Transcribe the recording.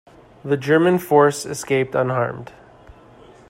The German force escaped unharmed.